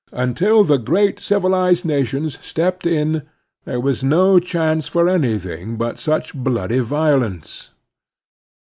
Until the great civilized nations stepped in there was no chance for anything but such bloody violence.